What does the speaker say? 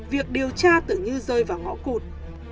việc điều tra tự như rơi vào ngõ cụt